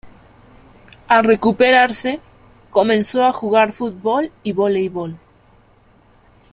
Al recuperarse, comenzó a jugar futbol y voleibol.